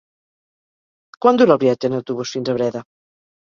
Quant dura el viatge en autobús fins a Breda?